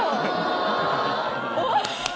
おっ！